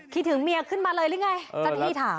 คิดถึงเมียขึ้นมาเลยหรือยังไง